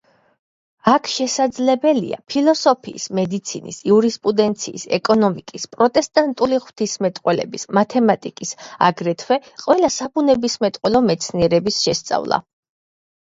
აქ შესაძლებელია ფილოსოფიის, მედიცინის, იურისპრუდენციის, ეკონომიკის, პროტესტანტული ღვთისმეტყველების, მათემატიკის, აგრეთვე ყველა საბუნებისმეტყველო მეცნიერების შესწავლა.